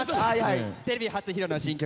テレビ初披露の新曲